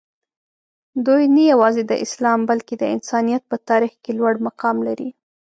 دوي نه یوازې د اسلام بلکې د انسانیت په تاریخ کې لوړ مقام لري.